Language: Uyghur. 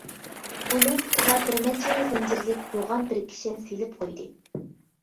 ئۇنىڭ پۇتىغا بىرنەچچىلا زەنجىرلىك يوغان بىر كىشەن سېلىپ قويدى.